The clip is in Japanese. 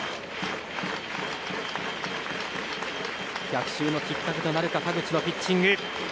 逆襲のきっかけとなるか田口のピッチング。